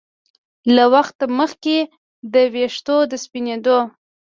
له وخت مخکې د ویښتو د سپینېدو